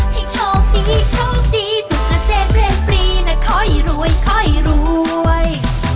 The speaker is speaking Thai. ให้โชคดีโชคดีสุขเกษตรเรียนปรีนะค่อยรวยค่อยรวย